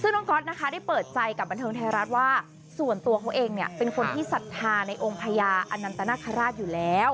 ซึ่งน้องก๊อตนะคะได้เปิดใจกับบันเทิงไทยรัฐว่าส่วนตัวเขาเองเนี่ยเป็นคนที่ศรัทธาในองค์พญาอนันตนาคาราชอยู่แล้ว